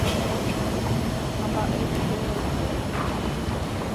Ha mba'e upéva piko.